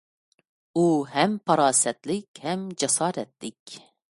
ئۇ ھەم پاراسەتلىك ھەم جاسارەتلىك.